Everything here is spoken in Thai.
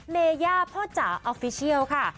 เนย่าพ่อจ๋าออฟฟิเชียลค่ะ